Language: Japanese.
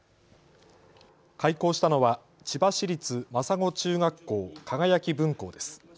開校したのは千葉市立真砂中学校かがやき分校です。